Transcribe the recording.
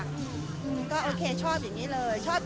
รวมไปถึงจะมีการจุดเทียนด้วยในข้ามคืนนี้